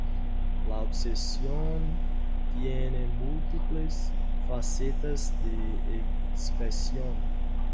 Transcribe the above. La obsesión tiene múltiples facetas de expresión.